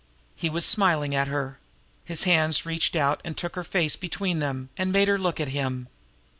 He was smiling at her. His hands reached out and took her face between them, and made her look at him.